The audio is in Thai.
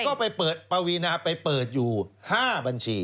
ก็ไปเปิดปวีนาไปเปิดอยู่๕บัญชี